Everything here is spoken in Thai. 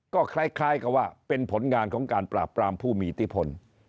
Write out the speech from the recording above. ก็คล้ายกับว่าเป็นผลงานของการปราบปรามผู้มีอิทธิพล